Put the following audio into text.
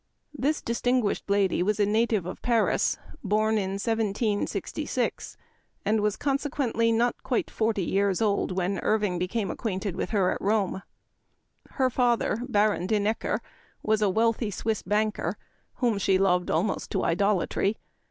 This dis tinguished lady was a native of Paris, born in 1766, and was, consequently, not quite forty years old when Irving became acquainted with her at Rome. Her father, Baron de Necker, was a wealthy Swiss banker, whom she loved almost to idolatry.